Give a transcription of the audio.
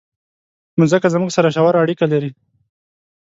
مځکه زموږ سره ژوره اړیکه لري.